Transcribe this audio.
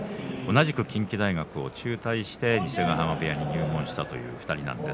同じく近畿大学を中退して伊勢ヶ濱部屋に入門したという２人です。